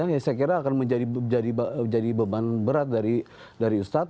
yang saya kira akan menjadi beban berat dari ustadz